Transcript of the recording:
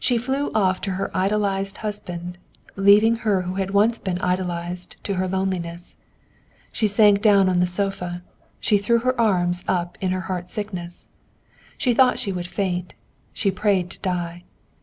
She flew off to her idolized husband, leaving her who had once been idolized to her loneliness. She sank down on the sofa; she threw her arms up in her heart sickness; she thought she would faint; she prayed to die.